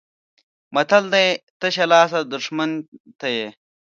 متل دی: تشه لاسه دښمن مې ته یې.